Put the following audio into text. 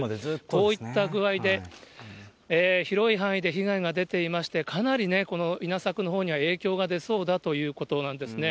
こういった具合で広い範囲で被害が出ていまして、かなりね、この稲作のほうには影響が出そうだということなんですね。